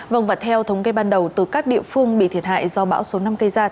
vòng vặt theo thống kê ban đầu từ các địa phương bị thiệt hại do bão số năm cây ra